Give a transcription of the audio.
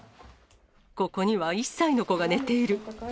ここには１歳の子が寝ている。